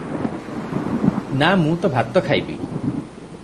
ନାଁ ମୁଁ ତ ଭାତ ଖାଇବି ।"